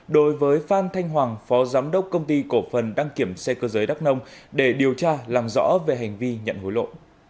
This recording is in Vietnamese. đối với phan thanh hoàng phó giám đốc công ty cổ phần đăng kiểm xe cơ giới đắc nông để điều tra làm rõ về hành vi nhận hối lộ